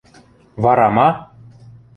— Вара ма?